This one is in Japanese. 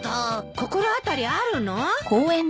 心当たりあるの？